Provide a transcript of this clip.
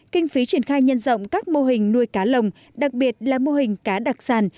kinh phí triển khai nhân rộng các mô hình nuôi cá lồng đặc biệt là mô hình cá đặc sản